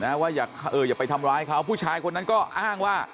ว่าอย่าเอออย่าไปทำร้ายเขาผู้ชายคนนั้นก็อ้างว่า